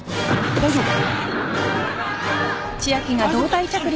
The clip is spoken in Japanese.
大丈夫か！？